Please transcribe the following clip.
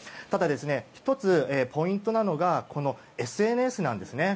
ただ、１つポイントなのがこのＳＮＳなんです。